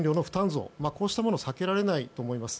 増こうしたものは避けられないと思います。